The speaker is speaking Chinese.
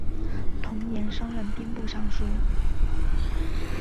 同年升任兵部尚书。